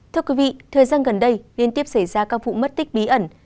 thưa quý vị thời gian gần đây liên tiếp xảy ra các vụ mất tích bí ẩn